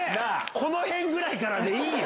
このへんぐらいからでいいよ。